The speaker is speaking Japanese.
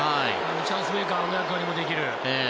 チャンスメーカーの役割もできる。